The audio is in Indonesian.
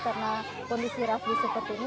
karena kondisi rafli seperti ini